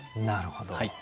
なるほど。